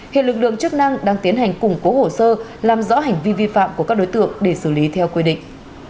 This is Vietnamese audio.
hiện lực lượng chức năng đang tiến hành củng cố hồ sơ làm rõ hành vi vi phạm của các đối tượng để xử lý theo quy định